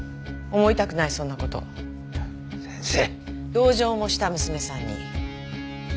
同情もした娘さんに。